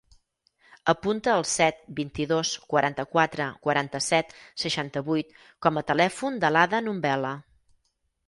Apunta el set, vint-i-dos, quaranta-quatre, quaranta-set, seixanta-vuit com a telèfon de l'Ada Nombela.